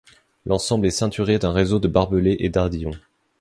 L'ensemble est ceinturé d'un réseau de barbelés et d'ardillons.